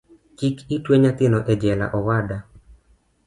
Kik itwe nyanyino ejela owada